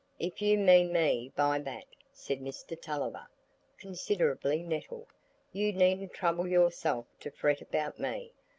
"If you mean me by that," said Mr Tulliver, considerably nettled, "you needn't trouble yourself to fret about me.